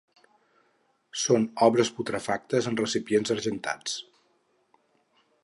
Són obres putrefactes en recipients argentats.